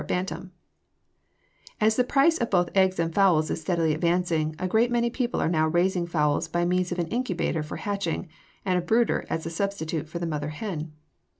262. INCUBATOR] As the price of both eggs and fowls is steadily advancing, a great many people are now raising fowls by means of an incubator for hatching, and a brooder as a substitute for the mother hen.